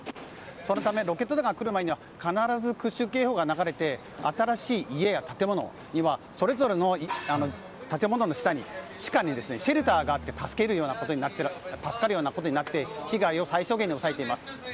そのためロケット弾が来る前には必ず空襲警報が流れて新しい家や建物それぞれの建物の地下にシェルターがあって助かるようなことになって被害を最小限に抑えています。